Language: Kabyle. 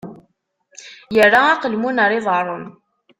Yerra aqelmun ar iḍaṛṛen!